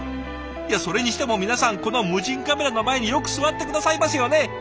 それにしても皆さんこの無人カメラの前によく座って下さいますよね。